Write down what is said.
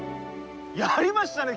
やりましたね！